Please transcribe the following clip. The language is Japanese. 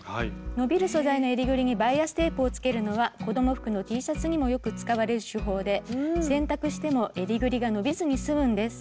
伸びる素材の襟ぐりにバイアステープをつけるのは子供服のＴシャツにもよく使われる手法で洗濯しても襟ぐりが伸びずに済むんです。